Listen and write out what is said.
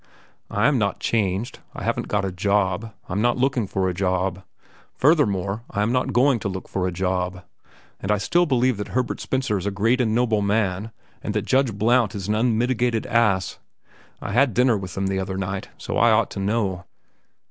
"I am not changed. I haven't got a job. I'm not looking for a job. Furthermore, I am not going to look for a job. And I still believe that Herbert Spencer is a great and noble man and that Judge Blount is an unmitigated ass. I had dinner with him the other night, so I ought to know."